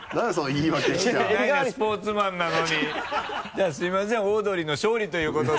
じゃあすみませんオードリーの勝利ということで。